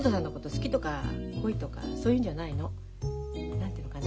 何て言うのかな